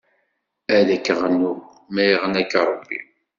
Ad k-ɣnuɣ, ma iɣna-k Ṛebbi.